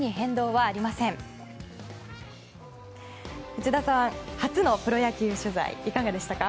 内田さん、初のプロ野球取材いかがでしたか。